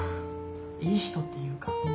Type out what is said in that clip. いい人っていうか。